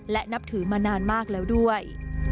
และนับถือมานานมากแล้วด้วย